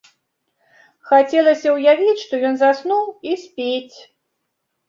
Хацелася ўявіць, што ён заснуў і спіць.